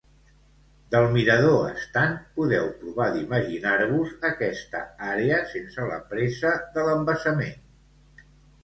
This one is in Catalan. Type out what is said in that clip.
Del mirador estant podeu provar d'imaginar-vos aquesta àrea sense la presa de l'embassament.